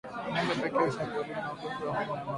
Ngombe pekee hushambuliwa na ugonjwa wa homa ya mapafu